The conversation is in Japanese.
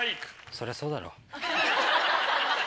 そりゃそうだろ。